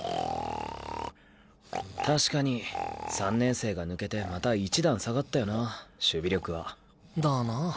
確かに３年生が抜けてまた一段下がったよな守備力は。だな。